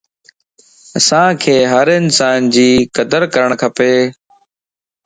اسانک ھر انسان جي قدر ڪرڻ کپ